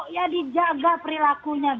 ya dijaga perilakunya